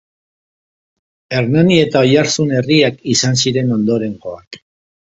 Hernani eta Oiartzun herriak izan ziren ondorengoak.